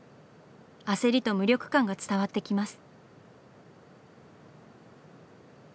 焦りと無力感が伝わってきます。